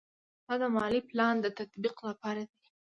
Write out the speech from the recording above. دا د مالي پلان د تطبیق لپاره دی.